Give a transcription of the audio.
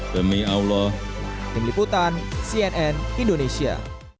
tim liputan cnn indonesia